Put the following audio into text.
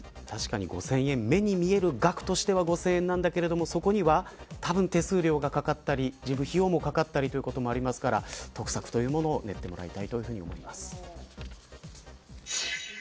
確かに、５０００円目に見える額としては５０００円だけれどそこには手数料がかかったり事務費用もかかったりということもありますから得策を練ってもらいたいと思います。